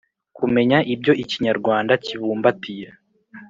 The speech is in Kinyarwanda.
kumenya ibyo Ikinyarwanda kibumbatiye,